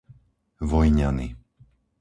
Vojňany